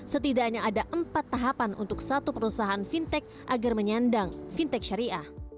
setidaknya ada empat tahapan untuk satu perusahaan fintech agar menyandang fintech syariah